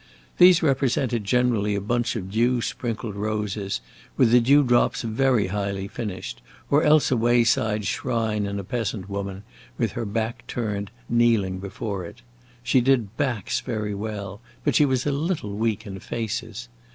These represented generally a bunch of dew sprinkled roses, with the dew drops very highly finished, or else a wayside shrine, and a peasant woman, with her back turned, kneeling before it. She did backs very well, but she was a little weak in faces.